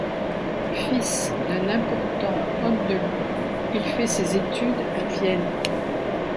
Fils d’un important homme de loi, il fait ses études à Vienne.